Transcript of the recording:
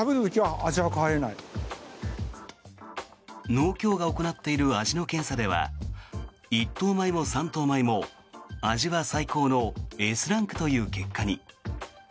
農協が行っている味の検査では一等米も三等米も味は最高のＳランクという結果に。